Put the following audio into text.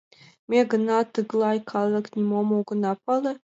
Ме гына, тыглай калык, нимом огына пале?